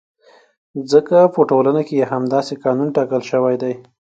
ځکه په ټولنه کې یې همداسې قانون ټاکل شوی دی.